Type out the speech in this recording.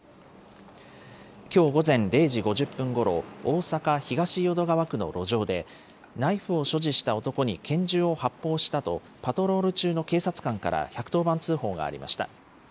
きょう午前０時５０分ごろ、大阪・東淀川区の路上で、ナイフを所持した男に拳銃を発砲したと、パトロール中の警察官から１１０番通報がありました。